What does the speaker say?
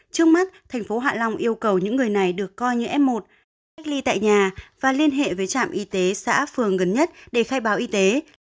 trước mắt thành phố hạ long yêu cầu những người này được coi như f một được cách ly tại nhà và liên hệ với trạm y tế xã phường gần nhất để khai báo y tế